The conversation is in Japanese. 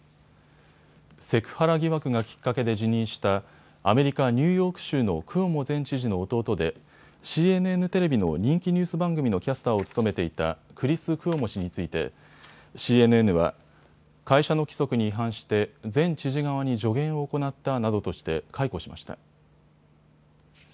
セクハラ疑惑がきっかけで辞任したアメリカ・ニューヨーク州のクオモ前知事の弟でＣＮＮテレビの人気ニュース番組のキャスターを務めていたクリス・クオモ氏についてＣＮＮは会社の規則に違反して前知事側に助言を行ったなどとして解雇しました。